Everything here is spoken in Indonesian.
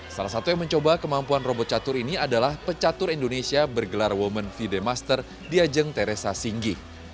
salah satu yang mencoba kemampuan robot catur ini adalah pecatur indonesia bergelar woman vd master diajeng teresa singgi